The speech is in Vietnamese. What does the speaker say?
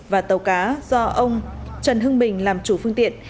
và tàu cá do ông trần hưng bình làm chủ phương tiện